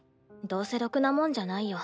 どうせろくなもんじゃないよ